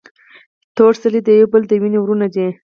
ټول سړي د يو بل د وينې وروڼه دي.